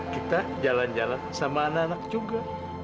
kita jalan jalan sama anak anak juga